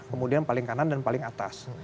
kemudian paling kanan dan paling atas